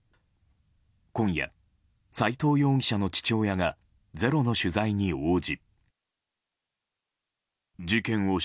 今夜、斎藤容疑者の父親が「ｚｅｒｏ」の取材に応じ。